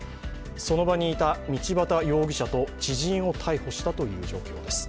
その場にいた道端容疑者と知人を逮捕したという状況です。